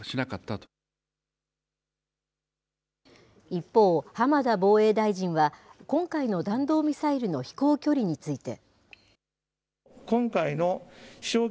一方、浜田防衛大臣は、今回の弾道ミサイルの飛行距離について。